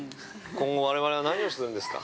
今後我々は何をするんですか。